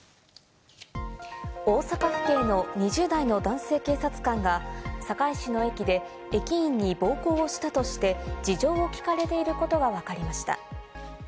大阪府警の２０代の男性警察官が、堺市の駅で駅員に暴行をしたとして事情を聞かれていることがわかりました。